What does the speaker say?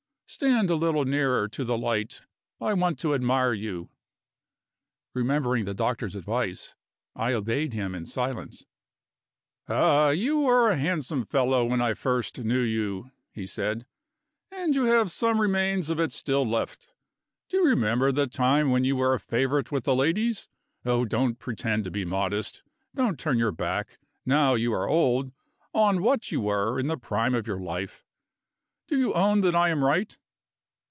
Stand a little nearer to the light; I want to admire you." Remembering the doctor's advice, I obeyed him in silence. "Ah, you were a handsome fellow when I first knew you," he said, "and you have some remains of it still left. Do you remember the time when you were a favorite with the ladies? Oh, don't pretend to be modest; don't turn your back, now you are old, on what you were in the prime of your life. Do you own that I am right?"